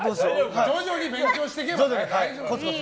徐々に勉強していけば大丈夫。